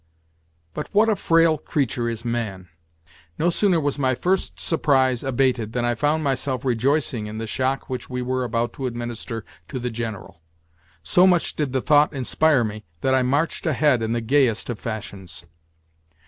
But what a frail creature is man! No sooner was my first surprise abated than I found myself rejoicing in the shock which we were about to administer to the General. So much did the thought inspire me that I marched ahead in the gayest of fashions.